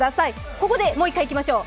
ここでもうい１回いきましょう。